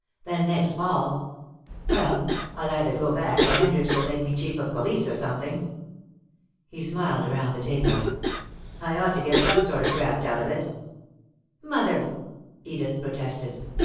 Then next fall well, I'll either go back or Hendricks will make me chief of police, or something." He smiled around the table. "I ought to get some sort of graft out of it." "Mother!" Edith protested.